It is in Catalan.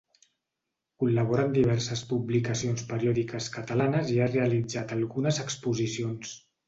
Col·labora en diverses publicacions periòdiques catalanes i ha realitzat algunes exposicions.